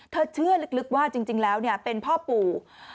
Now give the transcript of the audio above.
เธอเชื่อลึกว่าจริงแล้วเนี่ยเป็นพ่อปู่